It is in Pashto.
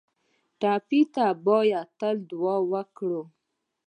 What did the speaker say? ټپي ته باید تل دعا وکړو